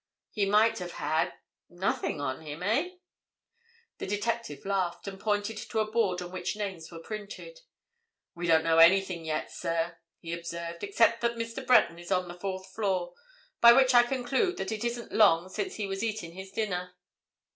He might have had—nothing on him, eh?" The detective laughed, and pointed to a board on which names were printed. "We don't know anything yet, sir," he observed, "except that Mr. Breton is on the fourth floor. By which I conclude that it isn't long since he was eating his dinner."